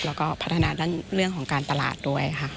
แล้วก็พัฒนาเรื่องของการตลาดด้วยค่ะ